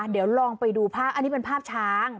เดี๋ยวลองไปดูภาพอันนี้เป็นภาพช้าง